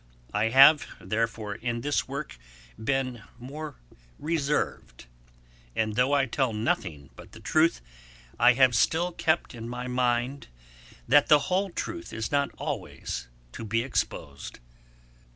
I have, therefore, in this Work been more reserved; and though I tell nothing but the truth, I have still kept in my mind that the whole truth is not always to be exposed.